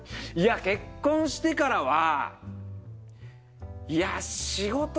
いや結婚してからはいや仕事。